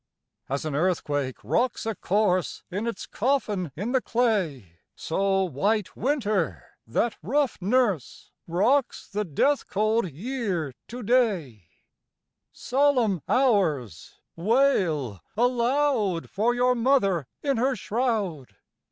2. As an earthquake rocks a corse In its coffin in the clay, So White Winter, that rough nurse, Rocks the death cold Year to day; _10 Solemn Hours! wail aloud For your mother in her shroud.